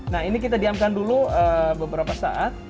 nah ini kita diamkan dulu beberapa saat